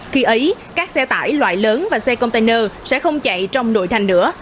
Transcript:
khi ấy các xe tải loại lớn và xe container sẽ không chạy trong nội thành nữa